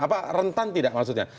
apa rentan tidak maksudnya